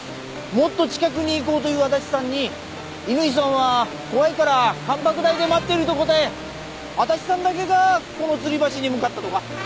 もっと近くに行こうと言う足立さんに乾さんは怖いから観瀑台で待ってると答え足立さんだけがこの吊り橋に向かったとか。